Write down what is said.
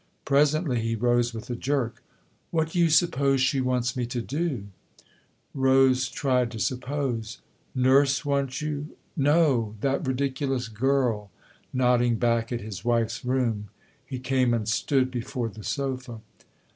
Presently he rose with a jerk. " What do you suppose she wants me to do ?" Rose tried to suppose. " Nurse wants you ?" "No that ridiculous girl." Nodding back at his wife's room, he came and stood before the sofa.